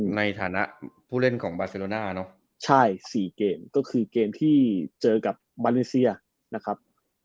ในฐานะผู้เล่นของบาเซโรน่าเนอะใช่๔เกมก็คือเกมที่เจอกับมาเลเซียนะครับ